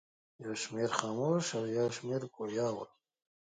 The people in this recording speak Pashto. یو شمېر خموش او یو شمېر ګویا ول.